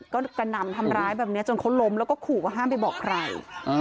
ก็กระหน่ำทำร้ายแบบนี้จนเขาล้มแล้วก็ขู่ว่าห้ามไปบอกใคร